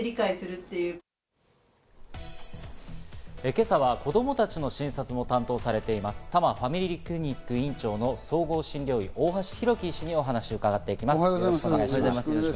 今朝は子供たちの診察も担当されています、多摩ファミリークリニック院長の総合診療医・大橋博樹医師にお話を伺っていきます。